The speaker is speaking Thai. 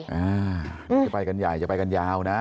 จะไปกันใหญ่จะไปกันยาวนะ